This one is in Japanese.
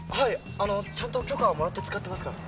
あのちゃんと許可をもらって使ってますから。